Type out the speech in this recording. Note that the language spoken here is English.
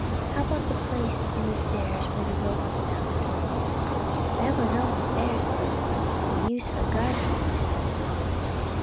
"How about the place in the stairs where the robe was found?" "That was always there, sir, and used for the gardener's tools."